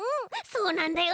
そうなんだよ。